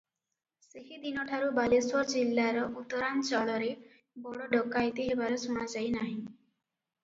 ସେହି ଦିନ ଠାରୁ ବାଲେଶ୍ୱର ଜିଲ୍ଲାର ଉତ୍ତରାଞ୍ଚଳରେ ବଡ଼ ଡକାଏତି ହେବାର ଶୁଣା ଯାଇନାହିଁ ।